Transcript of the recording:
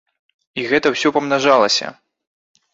І гэта ўсё памнажалася.